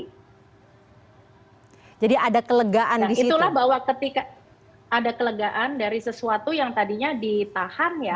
nah itulah bahwa ketika ada kelegaan dari sesuatu yang tadinya ditahannya